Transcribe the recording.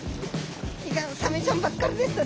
いかんサメちゃんばっかりでした。